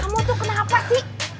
kamu tuh kenapa sih